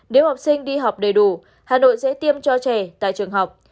trường học đầy đủ hà nội sẽ tiêm cho trẻ tại trường học